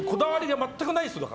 全くないですか？